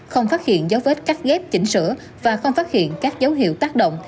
không phát hiện dấu vết cắt ghép chỉnh sửa và không phát hiện các dấu hiệu tác động